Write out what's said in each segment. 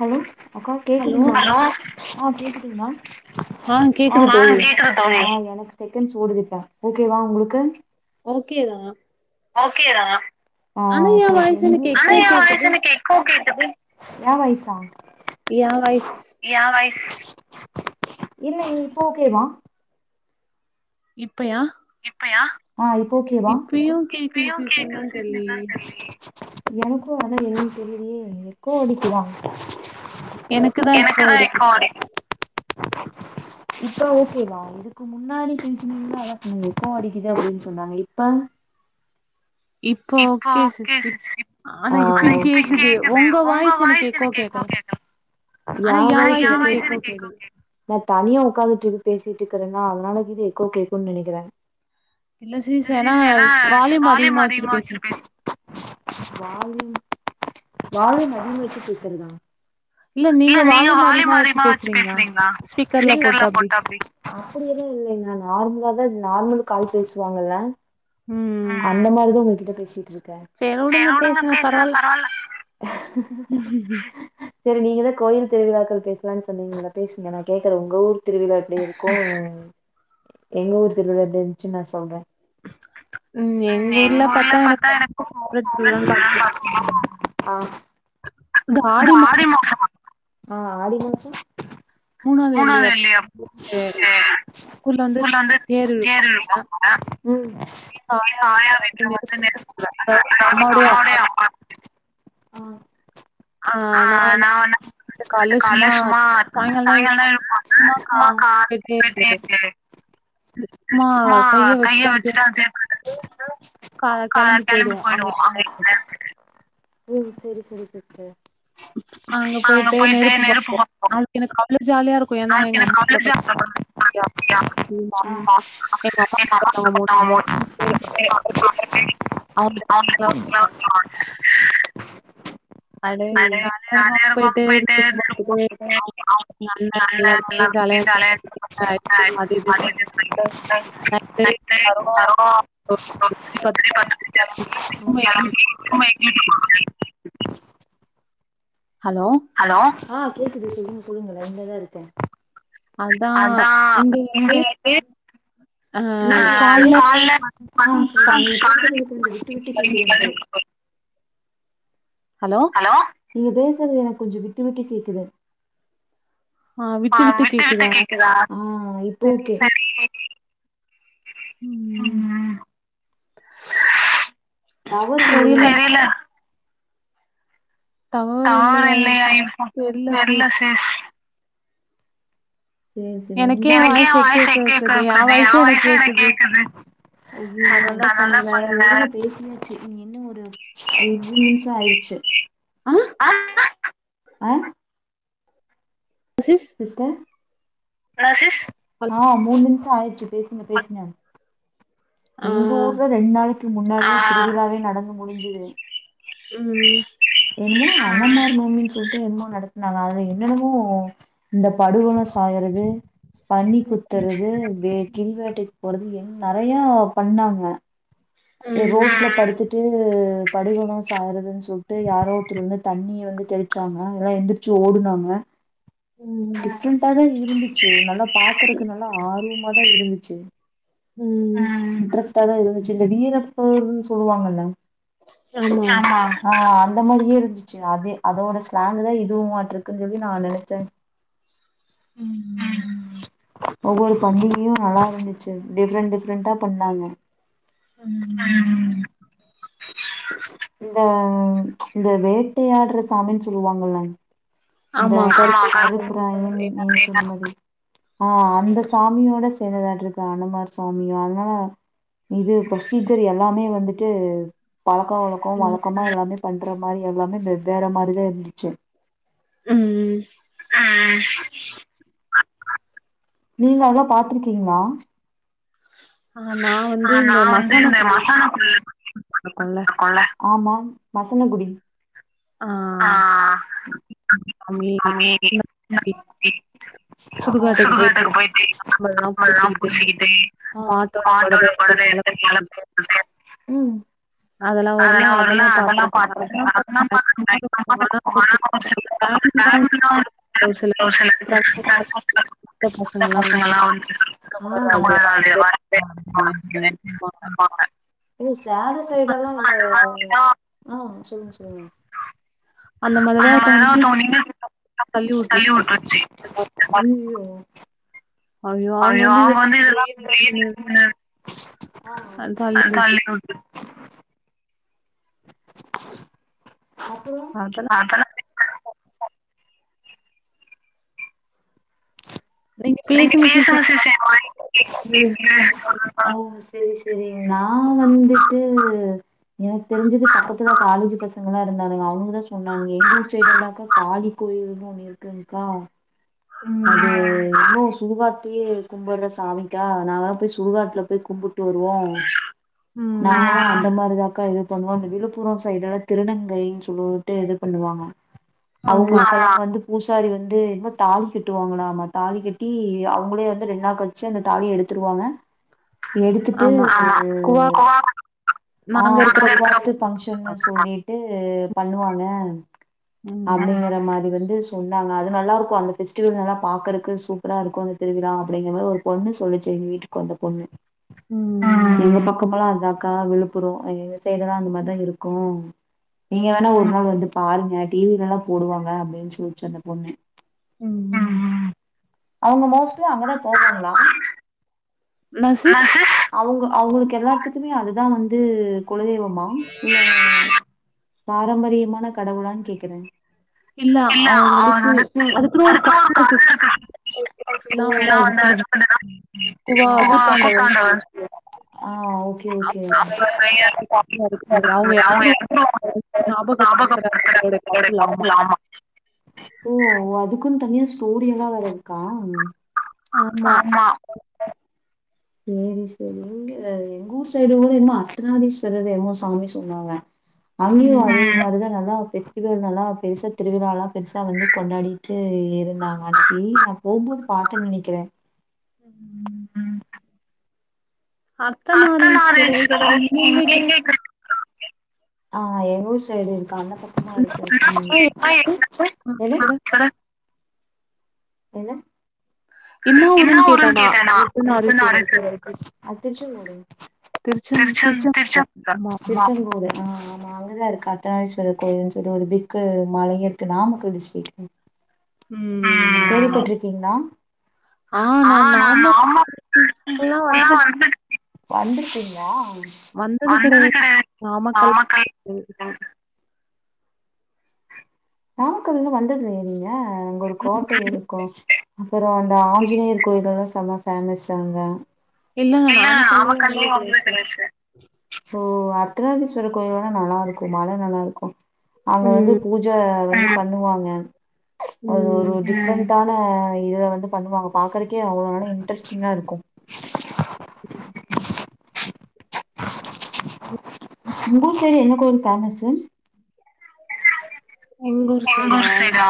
hello அக்கா கேக்குதுங்ளா hello அ கேக்குதுங்ளா ஆ கேக்குது தோழி எனக்கு செகண்ட்ஸ் ஓடுதுப்ப ஓகேவா உங்களுக்கு [unintelligible] ஓகே தா ஓகேயா அ ஒகே ஓகே ஆனா எ வாய்ஸ் எனக்கு எக்கோ கேக் ஏ வாய்ஸ்ஸா ஏ வாய்ஸ் இல்ல இ இப்போ ஓகே வா இப்பயா பயா அ இப்ப ஓகேவா இப்பயு கேக்குது சிஸ்டர் என்னனு தெரிலயே எனக்கு அதா என்னன் தெரிலியே எக்கோ அடிக்கிதா எனக்குதா எக்கோ அடிக்கிது இப்போ ஓகேவா இதுக்கு முன்னாடி பேசுனீங்க அதா ம் எக்கோ அடிக்கிதே அப்டின் சொன்னாங்க இப்ப இப்போ ஓகே சிஸ் ஆ பாரு இப்பயு கேக்குது உங்க வாய்ஸ் எனக்கு எக்கோ கேக்கல ஏ வாய்ஸ் எனக்கு எக்கோ கேக்குது நா தனியா உக் [unintelligible] காத்துட்டு இது பேசிட்ருக்கறன்னா அதனால இது எக்கோ கேக்குன் நெனைக்குறே திசிஸ் ஏன்னா வால்யூம் அதிகமா வெச்சிட்டு பேஸ் வால்யூம் வால்யூம் அதிகமா வெச்சி பேசறதா இல்ல நீங்க வால்யூம் அதிகமா வெச்சி பேசுறீங்ளா இல்ல ஸ்பீக்கர்ல போட்ட அப்டி அப்டி எது இல் இல்ல நா நார்மலா தா நார்மல் கால் பேசுவாங்கல்ல அந்த மாரி தா உங்க கிட்ட பேசிட்ருக் சேரி வுடுங்க பேசுங்க பரவால்ல செரி நீங்க தா கோயில் திருவிழாக்கள் பேசலான் சொன்னீங்கள்ள பேசுங்க நா கேக்கற உங்க ஊர் திருவிழா எப்டி இருக்கு எங்க ஊர் திருவிழா எப்டி இந்ச்சின்னு நா சொல்ற ம் எங்க ஊர்ல பாத்தா எனக்கு ரொம்ப ஃபேவரட் திருவிழான் பாத்தீங்னா அ இந்த ஆடி மாசோ அ ஆடி மாசோ மூணாது வெள்ளி அப்பே ஊர்ல வந்து தேர் இழுப்பாங்க எங்க ஆயா வீட்ல வந்து நெருப் அதாது எங்க அம்மோடைய அம்மா அ நா [unintelligible] கால்ல சும்மா சாய்ங்கால்தா இழுப்பாங்க சும்மா கா [unintelligible] சும்மா கைய வெச்சிட்டா [unintelligible] கா கெளம்பி போயிடுவோ அங்க இன்னேரத்துக்கு [inaudible] ம் செரி செரி சிஸ்டர் அங்க போய்ட்டு நெருப்பு பாப்போ அந் எனக்கு அவ்ளோ ஜாலியாருக்கு ஏன்னா எங்க அம்மா கூட படுத்துக்கலா ஜாலியா சும்மா எங்க அம்மாக்கு வந்த அமெளண்ட் [inaudible] அவுங்கள கூப்டு போய்லா மேலே ஜாலியா ரூம் போயிட்டு நேரா போன் பாப்பே ஆ எங்க அண்ண எல்லாரு சேந்தாலே ஆ [inaudible] யரோ [inaudible] எறங்கி சும்மா எங்யாசு [inaudible] [inaudible] ஹலோ ஆ கேக்குது சொல்லுங்க சொல்லுங்க லைன்லதா இருக்கே அத்தா இங்க நேத்து ஆ காலேல கொஞ்சோ [inaudible] ஹலோ ஆ விட்டு விட்டு கேக்குதா சரி ம் [unintelligible] தெரில தா இல்லையா இப்பா தெர்ல சிஸ் சேரி சேரி அதெல்லா கொஞ்சோநேரோ மூண் நிம்சோ ஆய்ருசு ஆ சிஸ்டர் ஆ மூண் நிம் ஆய்ருச்சு பேசுங்க பேசுங்க எங்க ஊர்ல ரெண் நாளிக் கு முன்னாடியே திருவிழாவே நடந்து முடிஞ்சுது ம் என்ன அம்மமார் மூமின் சொல்ட்டு என்மோ நடத்துனாங்க அதுல என்னன்னமோ இந்த படுகொல சாகறது பன்னி குத்தறது வே கிழ்வேடைக் போறது என் நறையா பண்ணாங்க ரோட்ல படுத்துட்டு படுகொல சாகுறதுன் சொல்டு யாரோ ஒருதர் வந்து தண்ணிய வந்து தெளிச்சாங்க எல்லா எந்திரிச்சு ஓடுனாங்க டிஃரெண்டாதா இருந்துச்சு நல்லா பாக்குறக்கு நல்லா ஆர்வமாதா இருந்துச்சு ஆ இன்ட்ரெஸ்ட்டாதா இருந்துச்சு இந்த வீரப்போருன் சொல்லுவாங்கல்ல ஆமா ஆ அது அந்த மாதிரியே இருந்துச்சு அதே அதோட ஸ்லாங்க்ல இதுமாட்ருக்குனு நா நெனச்சே ஒவ்வொரு பண்டிகையு நல்லாருந்துச்சு டிஃப்ரெண்ட் டிஃப்ரெண்டா பண்ணாங்க ம் இந்த இந்த வேட்டயாட்ற சாமின் சொல்லுவாங்கல்ல இந்த நீங்க சொன்ன மாதிரி ஆ அந்த சாமியோட சேந்ததாட்ருக்கு அணுமார் சாமி அதுனால இது ஃப்ரொசீஜர் எல்லாமே வந்துட்டு பழக்கோ வழக்கோ வழக்கமா எல்லாமே பண்ற மாரி எல்லாமே வெவ்வேற மாரிதா இருந்துச்சு ம் ம் அ ஆ நீங்க அதலா பாத்துருக்கீங்ளா ஆ நா வந்து இந்த மசாலாகுள்ள பண்ணிருக்கோல்ல ஆமா வசனங்குடி ஆ [inaudible] மீட்டிங் [inaudible] சுடுகாட்டுக்கு போய்ட்டு சாம்பல்லா பூசிக்கிட்டு மாட்டோட பொணத்த [inaudible] ம் அதலா ஊர்லா [unintelligible] பாத்துருகே வழக்கமா [inaudible] [inaudible] சின்ன பசங்கலா வந்து ம் [inaudible] இல்ல சேலம் சைடு எல்லா இந்த ஆ சொல்லுங்க சொல்லுங்க அந்த மாதிரி ஒருத்தவங்க நின்னுட்டு இருக்கப்போ தள்ளி விட்டுருச்சு ஐயோ அவங்க வந்து இதுதா [unintelligible] அ தள்ளி வுட்டு அப்பறோ நீங்க பேசுங்க சிஸ் என் வாய்ஸ் கிளியரா கேக்கல சேரி சேரி நா வந்துட்டு எனக்கு தெரிஞ்சது பக்கத்துதா காலேஜ் பசங்களா இருந்தானுங்க அவனுங்கதா சொன்னாங்க எங்க ஊரு சைடுலாக்கா காளிக் கோயில்னு ஒன்னு இருக்குங்க்கா அது என்னமோ சுடுகாட் டு கும்புட்ற சாமிக்கா நாங்கல்லா போய் சுடுகாட்டுல போய் கும்பிட்டு வருவோ நான்லா அந்த மாரிதா க்கா இது பண்ணுவோ அந்த விழுப்புரம் சைடு திருநங்கைன் சொல்லிட்டு இது பண்ணுவாங்க அவங்களா வந்து பூசாரி வந்து எ தாலி கெட் வாங்களாமா தாலி கட்டி அவங்களே வந்து ரெண்டு நாள் கழிச்சு அந்த தாலிய எடுத்துருவாங்க எடுத்துட்டு ஆ [inaudible] பங்க்ஷன்னு சொல்லிட்டு பண்ணுவாங்க அப்டிங்கற மாரி வந்து சொன்னாங்க அது நல்லா இருக்கு அந்த பெஸ் டிவல் நல்லா பாக்குறக்கு சூப்பரா இருக்கு அந்த திருவிழா அப்டிங்க மாரி ஒரு பொண்ணு சொல்லிச்சு எங்க வீட்டுக்கு வந்த பொண்ணு ஆ எங்க பக்கம் எல்லாம் க்கா விழுப்புரோ எங்க சைடுலா அந்த மாதா இருக்கு நீங்க வேணா ஒரு நாள் வந்து பாருங்க டி வி லல்லா போடுவாங்க அப்டின் சொல்லிச்சு அந்த பொண்ணு ம் ம் அவங்க மோஸ்ட்லி அங்கதா போவாங்களா அவங்களுக்கு எல்லாத்துக்குமே அதுதா வந்து குலதெய்வமா இல்ல பாரம்பரியமான கடவுளான் கேக்குற இல்ல அது வந்து அதுக்குன்ன ஒரு கத இருக்கு [inaudible] அவ கைய இருக்க அவங்க [inaudible] ஞாபகப்படுத்துறா அவங்களோட கடவுள் ஆமா ஓ அதுக்குன் தனியா ஸ்டோரி எல்லா வேற இருக்கா ஆமா சேரி சேரி இங்க எங்க ஊர் சைடு கூட என்னமோ அர்த்தநாரீஸ்வரர் என்னமோ சாமி சொன்னாங்க அங்கயு அதே மாரி தா நல்லா பெஸ்டிவல் எல்லா பெருசா திருவிழால்லா பெருசா வந்து கொண்டாடிட்டு இருந்தாங்க அன்னிக்கி அப்போ பா்த்தன் நெனைக்கிற ம் அர்த்தநாரீஸ்வரர் எங்க எங்க க ஆ எங்க ஊர் சைடு அந்த பக்கமா இருக்கு எது என்ன என்ன ஊருன்னு கேட்ட நா அர்த்தநாரீஸ்வரர் கோயில் திருச்செங்கோடு ஆ ஆமா அங்கதா இருக்கு அர்த்தநாரீஸ்வரர் கோயில் சொல்லி ஒரு பிக்கு மலையே இருக்கு நாமக்கல் டிஸ்ட்ரிக் கேள்விப்பட்ருக்கீங்ளா ஆ நா [inaudible] வந்திருக்கீங்ளா நாமக்கல் இன்னு வந்ததுல்லயா நீங்க அங்க ஒரு கோட்டை இருக்கு அப்புறோ அந்த ஆஞ்சநேயர் கோயில எல்லா செம ஃபேமஸ்சு அங்க இல்ல நாமக்கல்லயே அதா ஃபேமஸ்சு சோ அர்தநாதீஸ்வர கோயில் தா நல்லா இருக் கு மல நல்லா இருக்கு அங்க வந்து பூஜ வந்து பண்ணுவாங்க ஓ ஒரு இது மாரி தானு இத வந்து பண்ணுவாங்க பாக்குறக்கே அவ்ளோ நல்லா இன்ட்ரெஸ்ட்டிங்கா இருக்கு உம் உங் ஊர் சைடு என்ன கோயிலு பேமஸ்சு எங்க ஊர் சைடா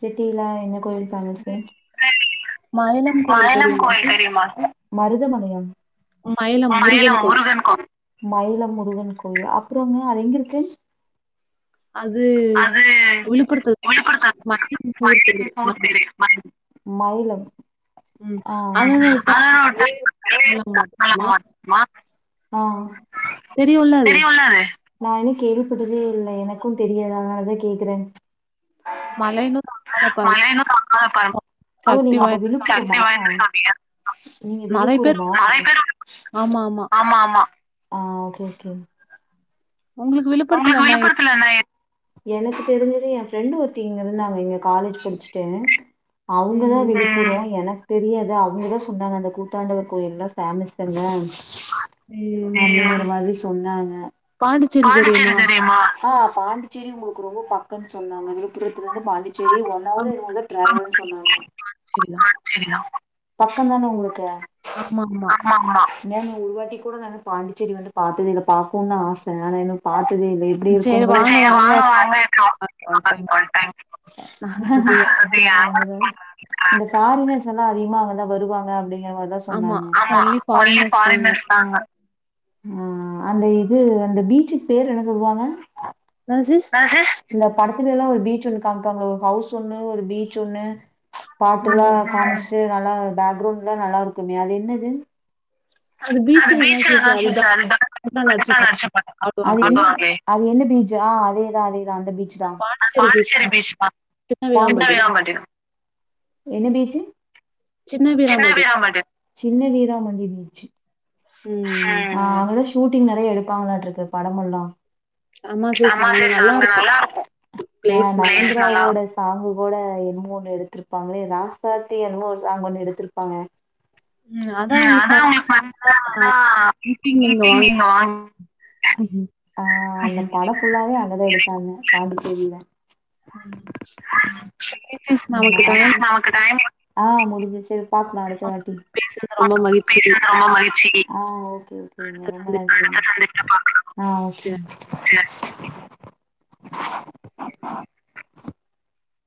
சிட்டில எங்க கோவில் பேமஸ்ஸு மயிலம் கோயிலு தெரியுமா மருதமலையா மயிலம் முருகன் கோயில் மயிலம் முருகன் கோவில் அப்றோங்க அது எங்க இருக்கு அது விழுப்புரத்துல மயிலம் [unintelligible] மைலம் ஆ ஆ ஆ தெரியுல அது நா இன்னு கேள்விப்பட்டதே இல்ல எனக்கு தெரியாது அதனாலதா கேக்குற ஒ நீங்க அப்ப விழுப் நீங்க விழுப்புரமா ஆ ஓகே ஓகே உங்களுக்கு விழுப்பரத்துல என்ன தெரிஞ்சது எ ஃப்ரெண்டு் ஒருத்தி இங்க இருந்தாங்க இங்க காலேஜ் படிச்சுட்டு அவங்கதா விழுப்புறோ எனக் தெரியாது அவங்க தா சொன்னாங்க அந்த கூத்தாண்டவர் கோயில் எல்லா ஃபேமஸ் தன்ன என்ன ஒரு மாதிரி சொன்னாங்க பாண்டிச்சேரி தெரியுமா ஆ பாண்டிச்சேரி உங்களுக்கு ரொம்ப பக்கோன்னு சொன்னாங்க விழுப்புரத்துல இருந்து பாண்டிச்சேரி ஒன் அவரு என்னமோ த டிராவல் சொன்னாங்க பக்க தான உங்களுக்கு ஆமாம்மா ஏங்க ஒரு வாட்டி கூட நா பாண்டிச்சேரி வந்து பாத்தது இல்ல பாக்கணுனு ஆச பாத்ததே இல்ல எப்டி இருக்குனு கூட [unintelligible] இந்த ஃபாரினர்ஸ் அதிகமா அங்கதா வருவாங்க அப்படிங்கற மாதிரிதா சொன்னாங்க ஆமா ஒன்லி ஃபாரினர்ஸ் தா அங்க ஆ ஆ அந்த இது அந்த பீச்சுக்கு பேரு என்ன சொல்லுவாங்க இந்த படத்துல எல்லா ஒரு பீச் ஒண்ணு காமிப்பாங்க ஒரு ஹவுஸ் ஒண்ணு ஒரு பீச் ஒண்ணு பாட்டுல்லா காம்ச்சு நல்லா பேக்ரவுண்ட் எல்லா நல்லா இருக்குமே அது என்னது அது பீச்சல தா [inaudible] சாரு அது [unintelligible] நடிச்ச படோ அது என்ன பீஜ்ஜி ஆ அதேதா அதே அந்த பீச் தா அது பாண்டிச்சேரி ஃபீச் [unintelligible] பாண்டிச்சேரி [unintelligible] என்ன பீச்சு சின்ன வீராமண்டி பீச் ஆ அங்கதா ஷூட்டிங் நெறைய எடுப்பாங்களாட்டு இருக்கு படமல்லா அம்மா [unintelligible] நல்லா இருக்கு ப்லேஸ் நல்லா இருக்கு சாங்கு கூட என்னமோ ஒண்ணு எடுத்ருப்பாங்களே ராசாத்தி எனமோஒரு சாங் ஒண்ணு எடுத்ருப்பாங்க ம் அதா உங்களுக்கு [inaudible] ஆ [unintelligible] நீங்க வாங் [unintelligible] ஆ அந்த பட ஃபுல்லாவே அங்கதா எடுத்தாங்க பாண்டிச்சேரில்ல நமக்கு டைம் ஆ முடிஞ்ச்சு பாக்கலா அடுத்தவாட்டி ஆ ஓக் கே ஆ ஓகே